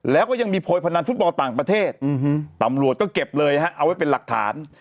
แล้วก็ยังมีโพยพนันฟุตบอลต่างประเทศตำรวจก็เก็บเลยฮะเอาไว้เป็นหลักฐาน